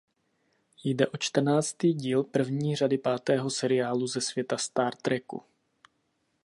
Jde o čtrnáctý díl první řady pátého seriálu ze světa Star Treku.